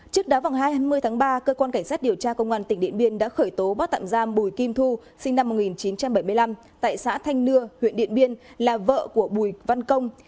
trước đó vào ngày hai mươi tháng ba cơ quan cảnh sát điều tra công an tỉnh điện biên đã khởi tố bắt tạm giam bùi kim thu sinh năm một nghìn chín trăm bảy mươi năm tại xã thanh nưa huyện điện biên là vợ của bùi văn công